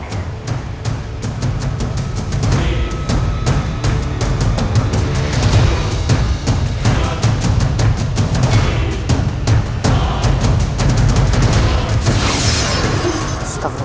aku harus mengambilnya